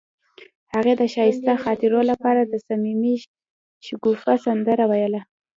هغې د ښایسته خاطرو لپاره د صمیمي شګوفه سندره ویله.